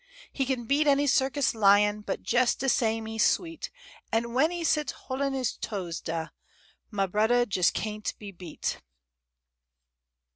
He kin beat any circus lion— But jes' de same he's sweet, An' w'en he sits hol'in' his toes dah, Mah bruddah jes' cain't be beat.